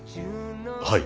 はい。